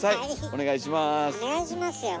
お願いしますよ